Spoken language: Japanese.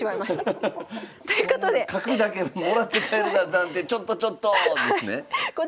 そんな角だけもらって帰るだなんてちょっとちょっとですね？